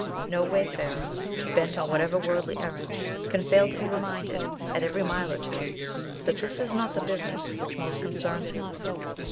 No wayfarer, bent on whatever worldly errand, can fail to be reminded, at every mile or two, that this is not the business which most concerns him.